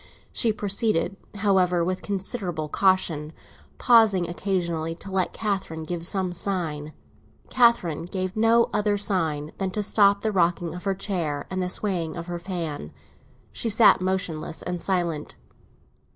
She proceeded, however, with considerable caution, pausing occasionally to let Catherine give some sign. Catherine gave no other sign than to stop the rocking of her chair and the swaying of her fan; she sat motionless and silent.